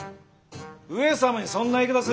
上様にそんな言い方すれ。